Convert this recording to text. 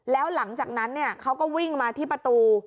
แล้วหลังจากนั้นเขาก็วิ่งมาที่ประตู